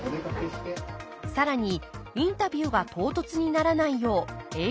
更にインタビューが唐突にならないよう映像を追加。